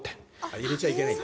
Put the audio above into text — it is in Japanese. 入れちゃいけないんだ。